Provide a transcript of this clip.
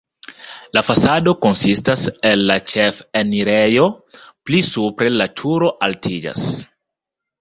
La fasado konsistas el la ĉefenirejo, pli supre la turo altiĝas.